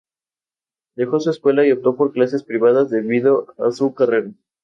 Grabó innumerables discos.